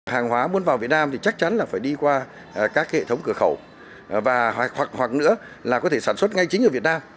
hàng hóa muốn vào việt nam thì chắc chắn là phải đi qua các hệ thống cửa khẩu hoặc nữa là có thể sản xuất ngay chính ở việt nam